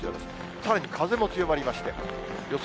さらに風も強まりまして、予想